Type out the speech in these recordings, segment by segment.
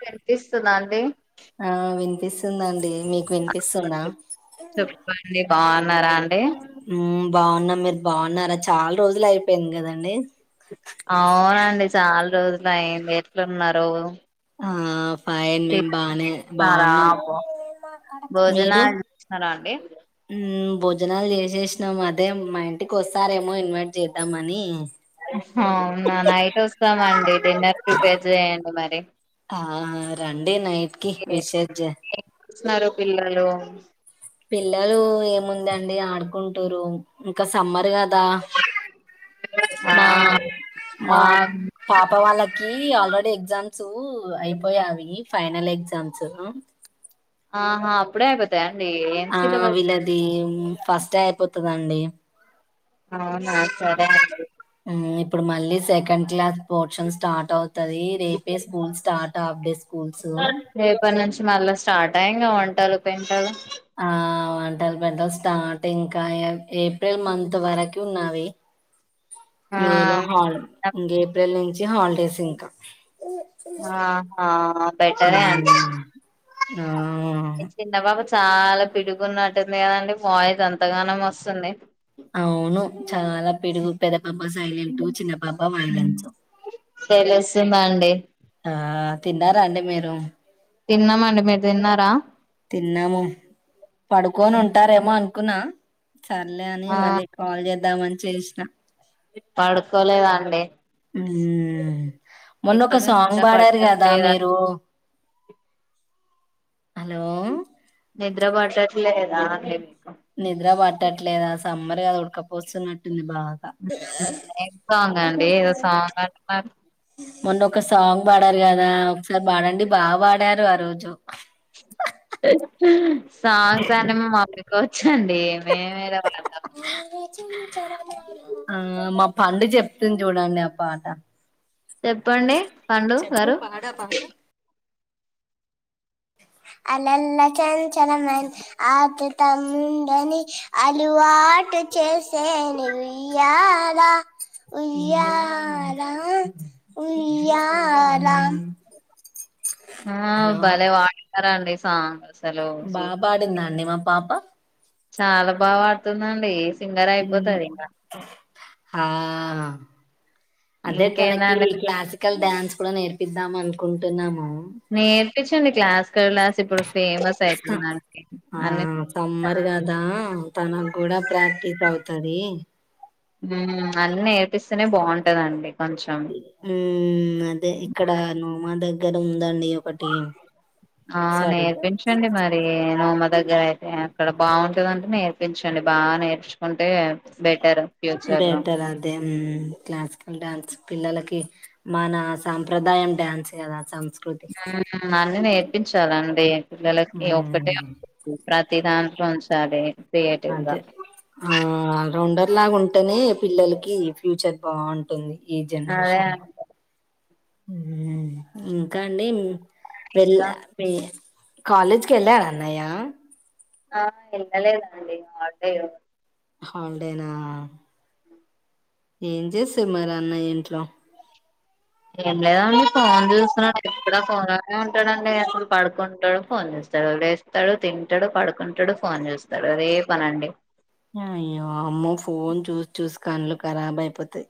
వినిపిస్తున్నా అండి పిస్ందండి మీకుంత సన్నా [inaudible] అండి బాగున్నారా అండి బాగున్నా మీరు బాగున్నారా చాలా రోజులు అయిపోయింది కదండి అవునండి చాలా రోజులు అయంది ఎట్లు ఉన్నారు ఆ పాయ మేం బానే తిన్నారా బాగున్నాం మీరు భోజనాలు చేసినారా అండి భోజనాలు చేసేసినాం అదే మా ఇంటికి వస్తారేమో ఇన్వైట్ చేద్దామని అవునా నైట్ వస్తామ అండి డిన్నర్ ప్రిపేర్ చెయండి మరి ఆ రండ నైట్కి విశేజ స్తున్నారు [inaudible] పిల్లలు ఏముంద ఆడుకుంటారు ఇంకా సమ్మర్గా ఆ మా ఆ మా పాప వాళ్ళా ఆల్రడి ఎగజమ్స్ అయిపోయా అవి ఫైనల్ ఎగజామ్స్ ఆహా అప్పుడే అయిపోతాయ ఆ వీలది ఫస్ట్ అయిపోతుందండి అవు నా సరే అండి ఇప్పుడు మళ్ళీ సెకండ్ క్లాస్ పోర్షన్ స్టార్ట్ అవు అది రేపే స్కూల్ స్టార్ట్ ఆఫడే స్కూల్స్ రేపటి నుంచి మళ్ళా స్టార్ట్ అయ్యంగా వంటలు పెంటలు ఆ [unintelligible] స్టార్ట్ ఇంకా ఏప్రిల్ మంత్ వరకు ఉన్నావి ఆ మే లో హాల్ ఇం ఏప్రిల్ నుంచి హాలిడేస్ ఇంకా ఆ బెటరే అ ఇ నవా వచ్చ చాలా పిడుగున్నట్టుంది కదండి వాయిస్ ఎంతగానోం వస్తుంది అవును చాలా పిడుగు పెద పెద్దపాప సైలెంట్ చిన్నపాప వయోలేంట్ తెలుస్తుందండి ఆ తిన్నారా అండి మీరు తిన్నామ అండి మీరు తిన్నారా తిన్నాము పడుకొని ఉంటారేమో అ కునా సర్లే అని ఆ మళ్ళీ కాల్ చే ద్దామని చేసిన పడుకోలేదండి మొన్న ఒక ఎక్కడ సాంగ్ నిద్ర పాడారు కదా పట్టట్లేదా మీరు హలో నిద్ర పడట్ లేదా నిద్ర పట్టట్లేదు అసలు సమ్మర్ కదా ఉడకపోస్తున్నట్టుంది బాగా ఏ సాంగ్ అండి ఏదో సాంగ్ అంట మొన్న ఒక సాంగ్ పాడారు కదా ఒకసారి వాడండి బాగా పాడారు ఆ రోజు సాంగ్స్ అన్నీ మా మమ్మకివచ్చండి మేమేద అ ఆ మా పండు చెప్తుంది చూడండి ఆ పాట చెప్పండి పండు గా చెప్పు రు పాడు ఆ పాట అలల్ల చంచలమన్ ఆతతముందని అలవాటు చేసేను ఉయ్యాల ఉయ్యాల ఉయ్యాలా ఆ భలే పాడినవ్ విన్నారండి సాంగ్ అసలు బా సూ పాడిందా అండి మా పాప చాలా బాగపాడుతుందండి. ఉమ్ ఆ అంటే తనకి ఇంకేందండి క్లాసిక్ కల్ డాన్స్ కూడా నేర్పిద్దాం అనుకుంటున్నాము నేర్పించండి క్లాసికల్ డాన్స్ ఇప్పుడు ఫేమస్ అయితుందండి ఆ అన్ని సమ్మర్ కదా తనకు కూడా ప్రాక్టీస్ అవుతది ఉమ్ అన్ని నేర్పిస్తేనే బాగుంటదండి కొంచెం ఉమ్మ్ అదే ఇక్కడ నోమా దగ్గర గదుమ్ ఆ సారీ నేర్పించండి మరి నేను మ దగ్గర అయితే అక్కడ బాగుంటందంటే నేర్పించండి బాగా నేర్చుకుంటే బెటర్ ఫ్యూచర్ లో బెటర్ ఉమ్ అదే క్లాసికల్ డాన్స్ పిల్లలకి మన సంప్రదాయం డాన్స్ కదా సంస్ ఆ అన్ని నేర్పించాలని డి పిల్లలకి మ్మ్ ఒక్కటే అ ప్రతి దాంట్లో ఉంచాలి క్రియేటివ్ గా అదే ఆల్ రౌండర్ అలాగుంటేనే పిల్లలకి ఫ్యూచర్ బాగుంటుంది ఈ అదే జెనరేషన్ లో అండి ఉమ్ ఇంకా అండి వెళ్ళ ఇస్తా వె కాలేజ్కి ఎళ్ళారా అన్నయ్య ఆ ఎల్లలేదండి హాలిడే ఈరోజు హాలిడే నా ఏం చేసే మరి అన్నయ్య ఇంట్లో ఏం లేదండి ఫోన్ చూస్తున్నాడు ఎక్కడ ఫోన్ లోనే ఉంటాడండి. అసల్ పడుకుంటాడో ఫోన్ చూస్తడు లేస్తడు తింటడు పడుకుంటడు ఫోన్ చూస్తడు అదే పనండి కన్లు కరాబ్ అయిపోతాయ్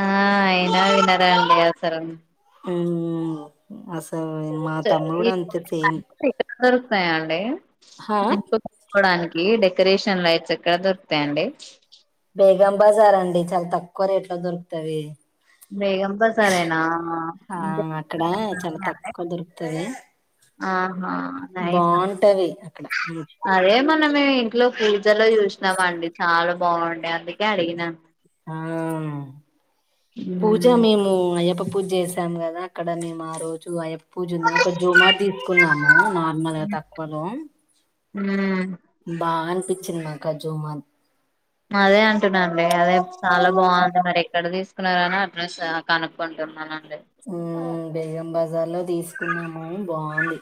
ఆ అయినా వినరండి అవసరం ఊమ్ అస్ [unintelligible] దొరుకుతాయ అండి. హా ఇంకోక్ కోడానికి ఏ డెకరేషన్ లైట్స్ ఎక్కడ దొరుకుతాయి అండి. బేగం బజార్ అండి చాలా తక్కువ రేట్ లో దొరుకుతావి బేగం బజారేనా ఆ అక్కడ చాలా తక్కువ దొరుకుతది ఆహా బాగుంటది అక్కడ అదే మ న్ మే ఇంక పో చాల చూసినామ అండి చాల బాగుండే అందుకే అడిగిన ఆ పూజ మేము అయ్యప్ పూజ చేసాం కదా! అక్కడ మేము ఆ రోజు అయ్యప్ పూజన్నా ఒక జూమా తీసుకున్నాము. అ నార్మల్గా తక్కువలో హ్మ్ ఉ బా అనిపించిన మాకు ఆ జుమాత్ అదే అంటున్నా అండి అదే చాలా బాగుంది. మరి ఎక్కడ తీసుకున్నారని, అడ్రస్ కనుక్కుంటున్నాను. ఉ బేగం బజార్ లో తీసుకున్నాము బా అవుంది.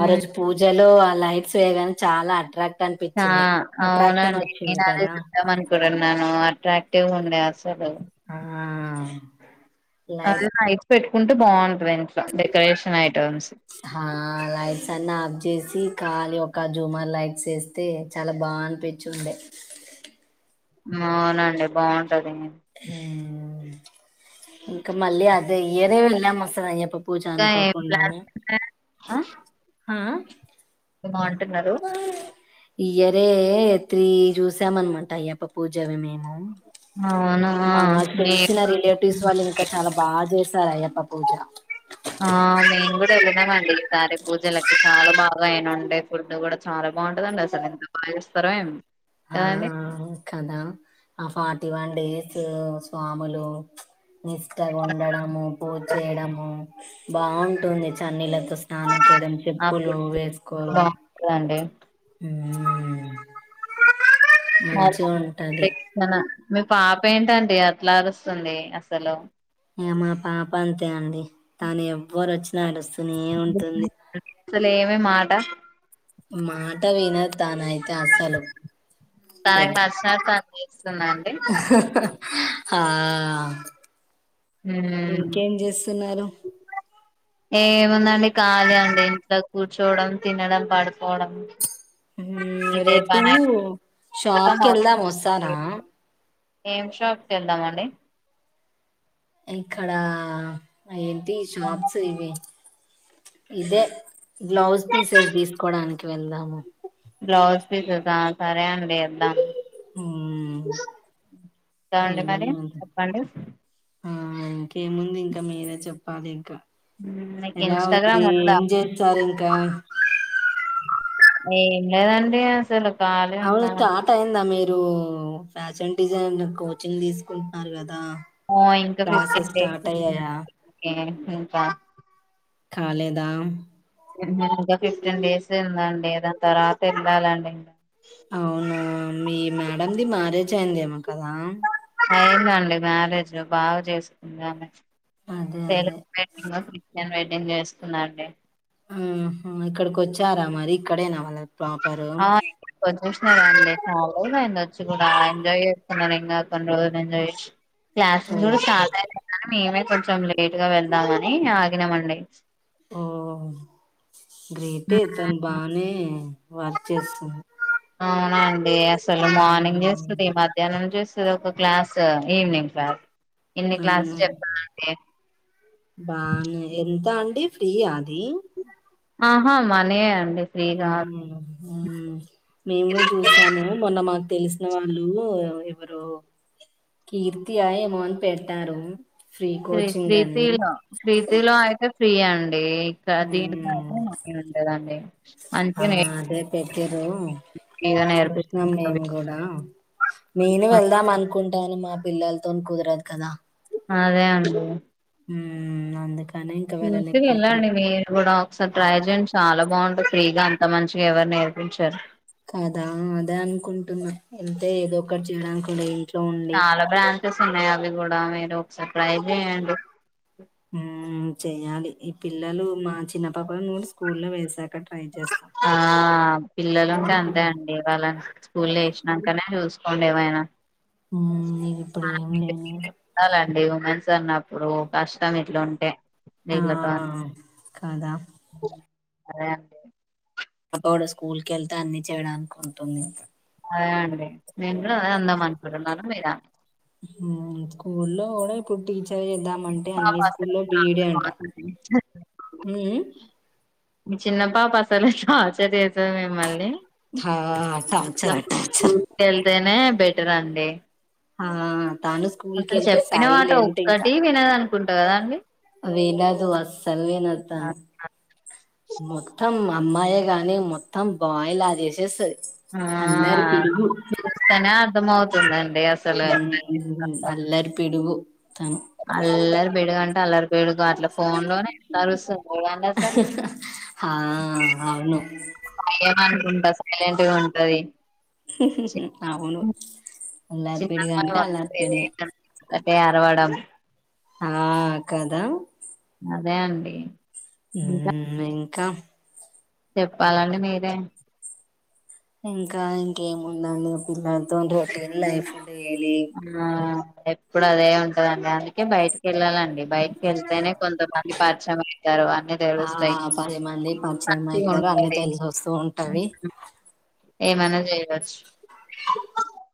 ఆ రోజు పూజలో లైట్స్ వేయగాన్ చాలా అట్రాక్ట్ ఆ అనిపించింది అట్రాక్షన్ అవునండి వచ్చింది నేను అదే కదా చూద్దాం అనుకున్నాను. నను అట్రాక్టివ్ ఉండే అసలు ఆ అది లైట్స్ లైట్ పెట్టుకుంటే బాగుం షాప్ డెకరేషన్ ఐటమ్స్ హా లైట్స్ అన్ని ఆఫ్ చేసి కాలి ఒక జూమర్ లైక్స్ వస్తే చాలా బా అనిపించి ఉండే అవునండి బాగుం అంటదని ఇంకా మళ్ళి అదే ఏరేవిలా మసయ్యప్ప [unintelligible] ఆ బాగుంటున్నారు ఇయ్యరే తి చూసామనమాట అయ్యప్ప పూజవి మేము అవును న పోటీస్ వాళ్ళు ఇంకా చాలా బాగా చేశారు అయ్యప్ప పూజ ఆ మేయిన్ కూడా వెళ్ళదామ అండి పూజలకి చాల బా బయన ఉండే ఫుడ్ కూడా చాలా బాగుంటుందండి అసలు ఎంత బాగా చేస్తారో ఏం కదా ఆ ఫ ఫటీ వన్ డేస్ స్వాములు నిష్టగా ఉండము పూజ చేయడము బాగుంటుంది చన్నీళ్లతో స్నానం చేయడం ఆ చెప్పులు ఫుడ్ వేసుకోరు బాగుంటదండి ఉ నా [inaudible] మీ పాప ఏంటంటడి అట్లా అరుస్తుంది అసలు ఏ మా పాప అంతే అండి తాను ఎవ్వరు వచ్చినా అడుస్తూనే ఏ ఉంటుంది అసలు ఏమి మాట మాట విణ తానయ తనకు పశాత్త అస్తుందండి ఆ ఉమ్ ఇంకేం చేస్తున్నారు ఏముందండి ఖాళీ అండి ఇంట్లో కూర్చోవడం తినడం పడిపోవడం రేపు షాప్కి వెళ్దాం అవుతుంది వస్తారా ఏం షాప్కి వెళ్దామ అండి ఇక్కడ ఏంటి షార్ప్స్ ఇవి ఇదే బ్లౌజ్ పీసెస్ తీసుకోడానికి వెళ్దాము బ్లౌజ్ పీససా సరే అండిద్దా దండి పోని మరి అంది చెప్పండి [inaudible] ఆ ఇంకేముంది ఇంకా మీరే చెప్పాలి ఇంకా మీకు ఎలా అడి ఇన్స్టాగ్రామ్ ఉందా ఏం జతారు ఇంకా ఏం లేదండి అసలు ఖాళీ ఉన్నాం అవునుష్ట ఆ ట అయిందా మీరు మీరు ఫ్యాషన్ డిజైన్ కోచింగ్ తీసుకుంటున్నారు కదా ఓ ఇంకా క్లాసెస్ ఫిఫ్టీన్ డేస్ స్టార్ట్ అయ్యాయా ఇకా కాలేదా ఇంకా ఫిఫ్టీన్ డేస్ ఉందండి దాని తర్వాత వెళ్ళాలండి ఇంకా అవునా మీ మేడంది మ్యారేజ్ అయింద ఏమో కదా అవునండి మ్యారేజ్ లో బాగా చేసుకుంది ఆమె అదే అదే [unintelligible] నేను చేస్తున్నా అండి ఆహా ఇక్కడికి వచ్చారా మరి ఇక్కడేనా వాళ్ళ ప్రాపరు ఆ చూసినదండి ఆ [unintelligible] చాలా రోజులైంది వచ్చి కూడా ఎంజాయ్ చే [unintelligible] కొన్ని రోజులు ఎంజాయ్ చేసి క్లాసెస్ కూడా ఓకే సాధా మేమ కొంచెం లేట్ గా వెళ్దామని ఆగినమండి ఓ హ్మ్. గ్రేటే దాని బానే వర్క్ చేస్తాను ఆ అండి అసలు మార్నింగ్ చేస్తుంది మధ్యాహ్నం చే ఒక క్లాస్ ఈవినింగ్ క్లాస్ ఎన్ని క్లాసులు అవునా చెప్తానండి బానే ఎంత అండి ఫ్రీ ఆ అది ఆహా మనే అండి ఫ్రీ కాదు బోరినెయ్యి ఉమ్ మేము కూడా చూసాము మొన్న మా తెలిసిన వాళ్ళు ఎవరెవరు కీర్తి ఆ ఏమో అని పెట్టారు ఫ్రీ క్రి కోచింగ్ అని క్రీతిలో క్రీతిలో అయితే ఫ్రీ అండి ఇక దీంట్లో ఉమ్ అయితే మనీ ఉండదండి ఆ మంచిగా నేర్పి అదే పెట్టారు ఫ్రీగా చూసినాం నేర్పిస్తున్నారు మేము కూడా నేను ఆ వెళ్దాం అనుకుంటాను మా పిల్లలతోనీ కుదరదు కదా అదే అండి ఉమ్ అందుక చూసుకొని వెళ్ళండి మీరు కూడా ఒకసారి ట్రై చేయండి చాలా బాగుంటుంది ఫ్రీగా అంత మంచిగా ఎవరు నేర్పించరు కదా అదే అనుకుంటున్నా ఎంతే ఏదో ఒకటి చేయడానికి కూడా చాలా బ్రాండ్ స్ ఉన్నాయి అవి కూడా మీరు ఒకసారి ట్రై చేయండి ఉమ్ చేయాలి ఈ పిల్లలు మా చిన్న పాపని కూడా స్కూల్ లో వేస ఆ పిల్లలు ఇంకా అంతే ఇప్పుడు అండి వాళ్ళనీ స్కూల్ వేసినాకనే చూస్త డేవైనా నీది ఇప్పుడు ఏం లేను అండి ఉమెన్స్ అన్నప్పుడు కష్టం ఇట్లా ఉంటే ఆ వీళ్ళతో కాదా అదే [inaudible] అబ కూడా స్కూల్ క వెళ్తే అన్ని చేయడానికి ఉంటుంది అదే అండి నేను కూడా అద అందామ న్నాన మీద స్కూల్లో లో పోన ఇప్పుటీ చే చేద్దామంటే పాప అన్ని అసలు స్కూల్లో బిఈడ అంట మీ చిన్న పాప అసలుచర్ సార్ మిమ్మల్ని హట అచ్చరట కొంచెం అచర స్కూల్ కి వెళ్తేనే బెటర్ అండి ఆ తాను స్కూల్ కి అసలు వెళ్తే చెప్పిన మాట సాయిలెంట్ ఒక్కటి వినద అనుకుంటా కదా అండి వేళదు అ సే నర్తాను మత్తం అమ్మాయ గాని మొత్తం బాయిల్ ఆ చేసే ఆస్తనే అర్దమతు అ అలరి పడిగు అల్లరి బడుగంటే అల్లరి పడుగు అట్లా ఫోన్ లోనే ఎలాారు వస్తుందిగాంటసర ఆ అవును ఏమకుంటా స ఇలాంటివి ఉంటది అవును అల్లారి పీడిగా అంటే అల్లారి పీడిగా మట్టే అరవాడ ఆ కదా అదే అండి ఇంకా [inaudible] క్క చెప్పాలండి మీరే ఇంకా ఇంకేము ఉందండి పిల్లల రోటీన్ ైఫ ఆ ఎప్పుడు అదే ఉంటదండి అందుకే బయటికి వెళ్ళాలండి బైక్కి వెళ్తేనే కొంతమంది పరిచయం అయితారు అన్ని ఆ తెలుస్తాయి పది మంది పరిచయం మంచి అయితారు అన్ని ఉంటంది తెలిసి వస్తూ ఉంటది ఏమనా చేయవచ్చు